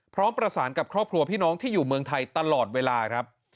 พร้อมประสานกับครอบครัวพี่น้องที่อยู่เมืองไทยตลอดเวลาครับ